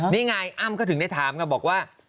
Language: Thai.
นี่ไงอ้ำก็ถึงได้ถามกันบอกว่า